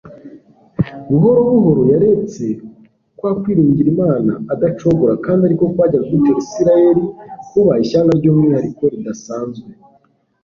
buhoro buhoro yaretse kwa kwiringira imana adacogora kandi ari ko kwajyaga gutera isirayeli kuba ishyanga ry'umwihariko ridasanzwe